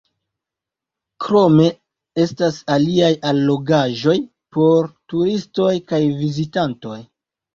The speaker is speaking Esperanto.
Krome estas aliaj allogaĵoj por turistoj kaj vizitantoj.